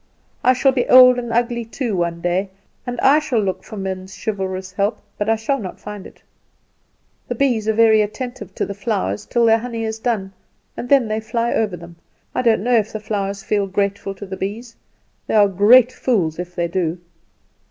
"I shall be old and ugly, too, one day, and I shall look for men's chivalrous help, but I shall not find it. "The bees are very attentive to the flowers till their honey is done, and then they fly over them. I don't know if the flowers feel grateful to the bees; they are great fools if they do."